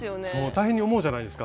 大変に思うじゃないですか。